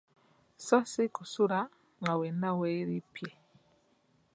So si kusula nga wenna weerippye.